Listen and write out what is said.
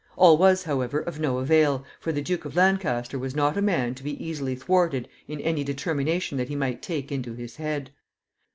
All was, however, of no avail, for the Duke of Lancaster was not a man to be easily thwarted in any determination that he might take into his head.